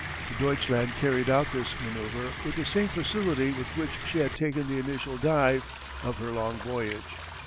The Deutschland carried out this manoeuvre with the same facility with which she had taken the initial dive of her long voyage.